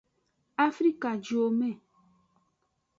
Afrikajuwome.